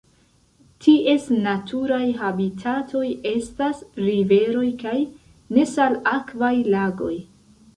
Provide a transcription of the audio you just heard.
Ties naturaj habitatoj estas riveroj kaj nesalakvaj lagoj.